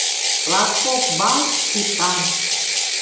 Латкок балл — тӱтан.